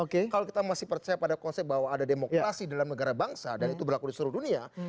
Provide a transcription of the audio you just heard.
kalau kita masih percaya pada konsep bahwa ada demokrasi dalam negara bangsa dan itu berlaku di seluruh dunia